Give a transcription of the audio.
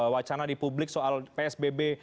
wacana di publik soal psbb